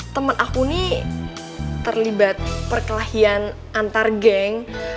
temen aku nih terlibat perkelahian antar geng